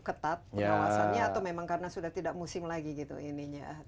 ketat pengawasannya atau memang karena sudah tidak musim lagi gitu ininya